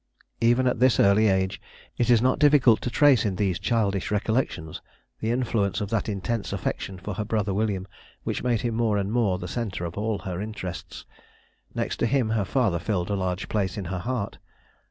Even at this early age, it is not difficult to trace in these childish recollections the influence of that intense affection for her brother William which made him more and more the centre of all her interests; next to him, her father filled a large place in her heart.